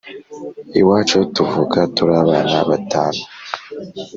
Iwacu tuvuka turabana batanu